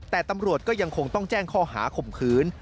แต่ตำรวจก็ยังคงต้องแจ้งข้อหาข่มขืน